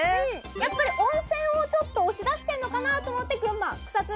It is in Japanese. やっぱり温泉をちょっと押し出してるのかなと思って群馬草津。